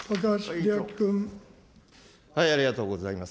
ありがとうございます。